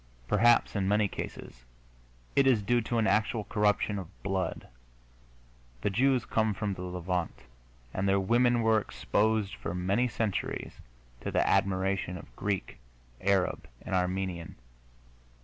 Perhaps, in many cases, it is due to an actual corruption of blood. The Jews come from the Levant, and their women were exposed for many centuries to the admiration of Greek, Arab and Armenian.